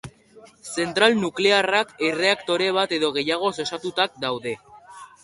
Zentral nuklearrak erreaktore bat edo gehiagoz osatuak daude.